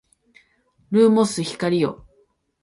ルーモス光よ